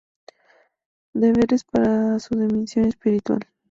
Deberes para con su dimensión espiritual.